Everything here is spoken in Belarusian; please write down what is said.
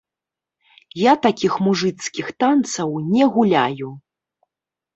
Я такіх мужыцкіх танцаў не гуляю.